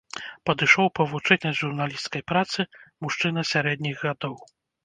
Падышоў павучыць нас журналісцкай працы мужчына сярэдніх гадоў.